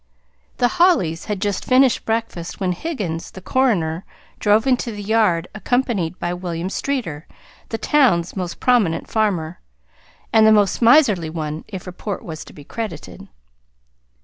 The Hollys had just finished breakfast when Higgins, the coroner, drove into the yard accompanied by William Streeter, the town's most prominent farmer, and the most miserly one, if report was to be credited.